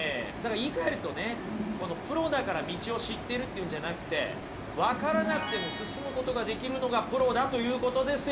言いかえるとねプロだから道を知ってるっていうんじゃなくて分からなくても進むことができるのがプロだということですよ